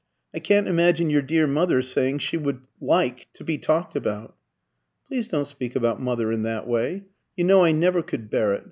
I can't imagine your dear mother saying she would 'like' to be talked about." "Please don't speak about mother in that way; you know I never could bear it.